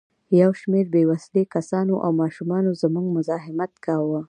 یو شمېر بې وسلې کسانو او ماشومانو زموږ مزاحمت کاوه.